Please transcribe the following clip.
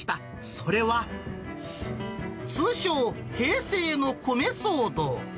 それは、通称、平成の米騒動。